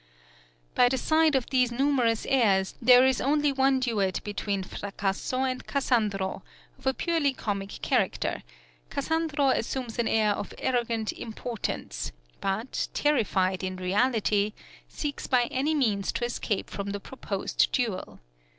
By the side of these numerous airs, there is only one duet between Fracasso and Cassandro (19), of a purely comic character; Cassandro assumes an air of arrogant importance, but, terrified in reality, seeks by any means to escape from the proposed duel.